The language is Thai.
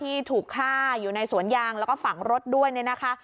ที่ถูกฆ่าอยู่ในสวนยางแล้วก็ฝังรถด้วยเนี่ยนะคะ